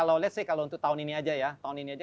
let's say kalau untuk tahun ini aja ya